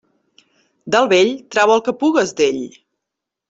Del vell, trau el que pugues d'ell.